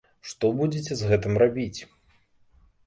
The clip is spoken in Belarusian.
Што будзеце з гэтым рабіць?